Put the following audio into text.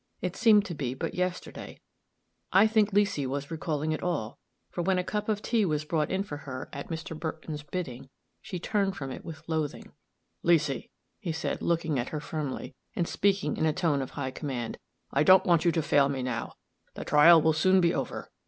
It seemed to be but yesterday. I think Leesy was recalling it all, for when a cup of tea was brought in for her, at Mr. Burton's bidding, she turned from it with loathing. "Leesy," he said, looking at her firmly, and speaking in a tone of high command, "I don't want you to fail me now. The trial will soon be over.